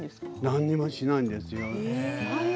何もしないんですよ。